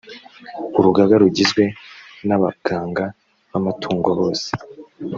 urugaga rugizwe n abaganga b amatungo bose